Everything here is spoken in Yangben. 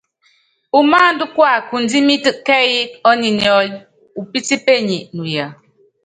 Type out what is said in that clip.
Umáándá kuakundímítɛ kɛ́ɛ́yí ɔ́ninyɔ́lɔ upítípenyi nuya.